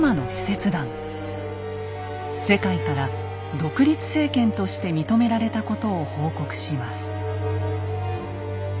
世界から独立政権として認められたことを報告します。